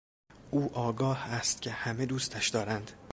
او آگاه است که همه دوستش دارند.